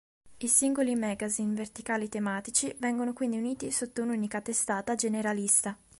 I singoli magazine verticali tematici vengono quindi uniti sotto un'unica testata generalista.